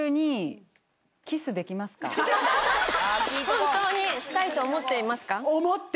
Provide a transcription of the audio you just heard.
本当にしたいと思っていますか？